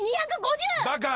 バカ。